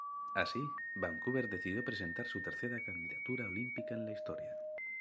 Así, Vancouver decidió presentar su tercera candidatura olímpica en la historia.